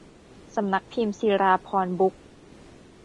สำนักพิมพ์ศิราภรณ์บุ๊คส์